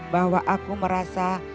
bahwa aku merasa